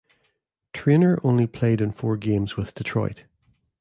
Treanor only played in four games with Detroit.